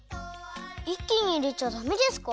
いっきにいれちゃダメですか？